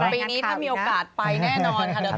ปีนี้ถ้ามีโอกาสไปแน่นอนค่ะ